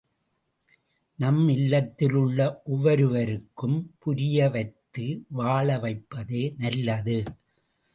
நம் இல்லத்தில் உள்ள ஒவ்வொருவருக்கும் புரியவைத்து—வாழ வைப்பதே நல்லது.